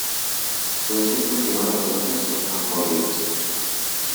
Pude ser cultivado en las huertas o en campo abierto.